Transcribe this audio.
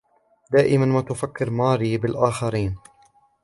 دائمًا ما تفكّر ماري بالآخرين.